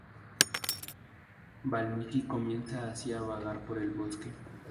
Valmiki comienza así a vagar por el bosque.